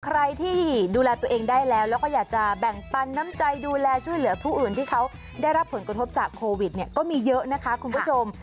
ใครที่ดูแลตัวเองได้แล้วแล้วก็อยากจะแบ่งปันน้ำใจดูแลช่วยเหลือผู้อื่นที่เขาได้รับผลกระทบจากโควิดเนี่ยก็มีเยอะนะคะคุณผู้ชม